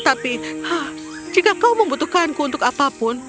tapi jika kau membutuhkanku untuk apapun